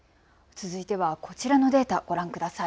続いてはこちらのデータをご覧ください。